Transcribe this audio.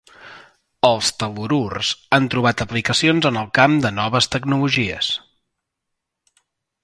Els tel·lururs han trobat aplicacions en el camp de noves tecnologies.